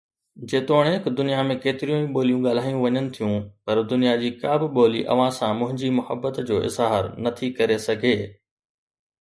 جيتوڻيڪ دنيا ۾ ڪيتريون ئي ٻوليون ڳالهايون وڃن ٿيون، پر دنيا جي ڪا به ٻولي اوهان سان منهنجي محبت جو اظهار نٿي ڪري سگهي.